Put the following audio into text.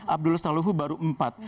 abdul estaluhu baru empat